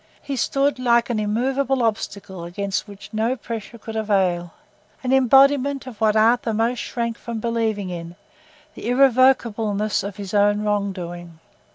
He stood like an immovable obstacle against which no pressure could avail; an embodiment of what Arthur most shrank from believing in—the irrevocableness of his own wrongdoing.